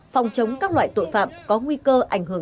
phòng chống các loại tội phạm có nguy cơ ảnh hưởng